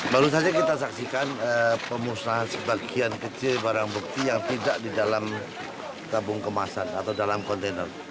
baru saja kita saksikan pemusnahan sebagian kecil barang bukti yang tidak di dalam tabung kemasan atau dalam kontainer